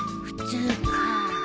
普通か。